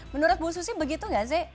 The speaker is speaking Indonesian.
menurut bu susi begitu nggak sih